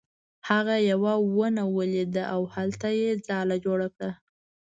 هغه یوه ونه ولیده او هلته یې ځاله جوړه کړه.